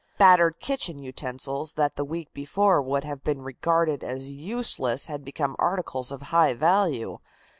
Battered kitchen utensils that the week before would have been regarded as useless had become articles of high value.